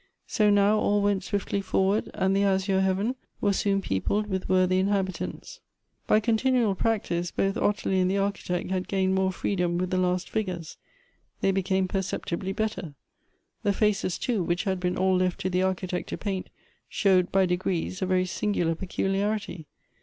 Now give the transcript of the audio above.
So now all went swiftly forward, and the azure heaven was soon peopled with worthy inhabi tants. By continual practice both Ottilie and the archi tect had gained more freedom with the last figures; they became perceptibly better. The faces, too, which had been all left to the architect to paint, showed by degrees a very singular peculiarity.